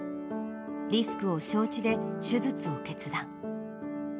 リスクを承知で手術を決断。